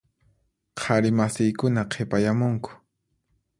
Qhari masiykuna qhipayamunku.